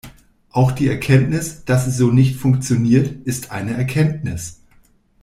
Auch die Erkenntnis, dass es so nicht funktioniert, ist eine Erkenntnis.